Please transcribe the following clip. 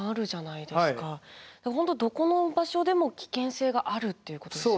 本当どこの場所でも危険性があるっていうことですよね。